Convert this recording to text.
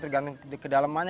tergantung ke dalemannya